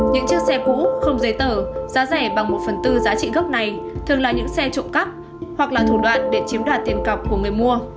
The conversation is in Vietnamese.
những chiếc xe cũ không giấy tờ giá rẻ bằng một phần tư giá trị gốc này thường là những xe trộm cắp hoặc là thủ đoạn để chiếm đoạt tiền cọc của người mua